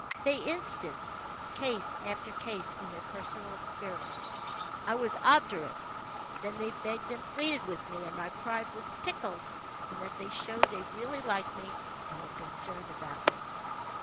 They instanced case after case in their personal experience. I was obdurate. Then they begged and pleaded with me, and my pride was tickled in that they showed they really liked me and were concerned about me.